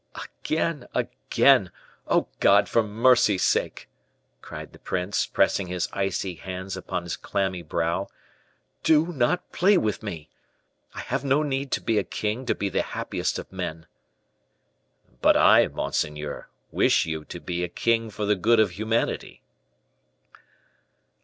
"Again, again! oh, God! for mercy's sake," cried the prince, pressing his icy hands upon his clammy brow, "do not play with me! I have no need to be a king to be the happiest of men." "But I, monseigneur, wish you to be a king for the good of humanity."